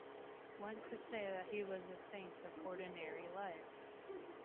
One could say that he was the saint of ordinary life.